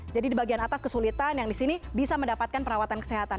jadi di bagian atas kesulitan yang di sini bisa mendapatkan perawatan kesehatan